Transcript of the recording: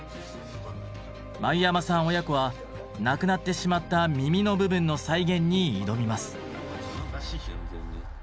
繭山さん親子は無くなってしまった耳の部分の再現に挑みます。